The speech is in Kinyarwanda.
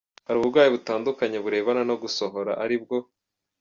Hari uburwayi butandukanye burebana no gusohora ari bwo :.